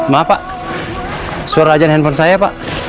maaf pak suara ajan handphone saya pak